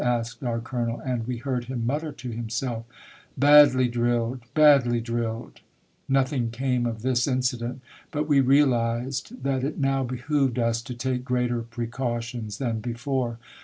asked our colonel, and we heard him mutter to himself, —*'* Badly drilled ! badly drilled !'" Nothing came of this incident, but we realized that it now behooved us to take greater precautions than before.